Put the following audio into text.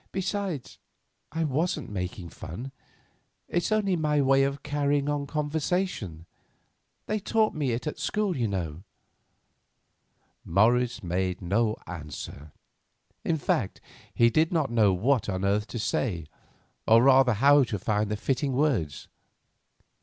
"Besides I wasn't making fun. It's only my way of carrying on conversation; they taught it me at school, you know." Morris made no answer; in fact, he did not know what on earth to say, or rather how to find the fitting words.